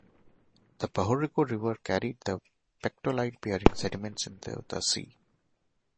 The Bahoruco River carried the pectolite-bearing sediments to the sea.